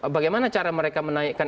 bagaimana cara mereka menaikkan